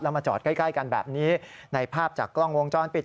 มาจอดใกล้ใกล้กันแบบนี้ในภาพจากกล้องวงจรปิด